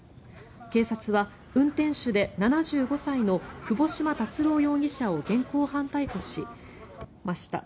警察は運転手で７５歳の窪島達郎容疑者を現行犯逮捕しました。